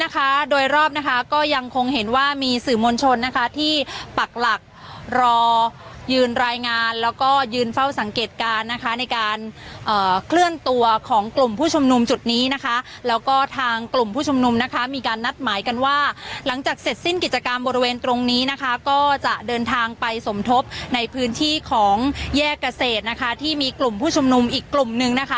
นะคะโดยรอบนะคะก็ยังคงเห็นว่ามีสื่อมวลชนนะคะที่ปักหลักรอยืนรายงานแล้วก็ยืนเฝ้าสังเกตการณ์นะคะในการเคลื่อนตัวของกลุ่มผู้ชุมนุมจุดนี้นะคะแล้วก็ทางกลุ่มผู้ชุมนุมนะคะมีการนัดหมายกันว่าหลังจากเสร็จสิ้นกิจกรรมบริเวณตรงนี้นะคะก็จะเดินทางไปสมทบในพื้นที่ของแยกเกษตรนะคะที่มีกลุ่มผู้ชุมนุมอีกกลุ่มนึงนะคะ